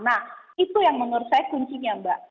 nah itu yang menurut saya kuncinya mbak